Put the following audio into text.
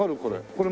これ。